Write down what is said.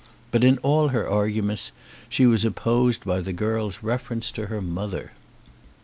But in all her arguments she was opposed by the girl's reference to her mother.